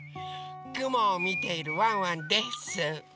くもをみているワンワンです。